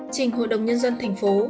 trình hội đồng nhân dân tp hcm